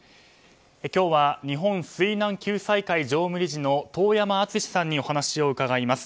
今日は、日本水難救済会常務理事遠山純司さんにお話を伺います。